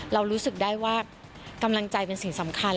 เรารู้สึกได้ว่ากำลังใจเป็นสิ่งสำคัญ